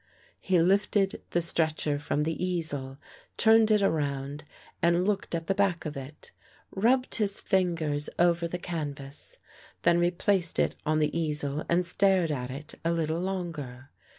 He lifted the stretcher from the easel, turned it around and looked at the back of it; rubbed his fingers over the canvas, then replaced it on the easel and stared at it a little longer.